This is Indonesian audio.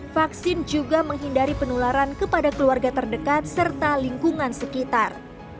vaksin juga menghindari penularan kepada keluarga terdekat serta lingkungan sekitar